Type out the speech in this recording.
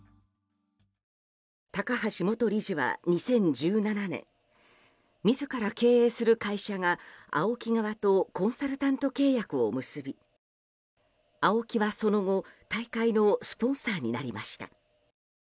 高橋元理事は、２０１７年自ら経営する会社がＡＯＫＩ側とコンサルタント契約を結びＡＯＫＩはその後大会のスポンサーになりました。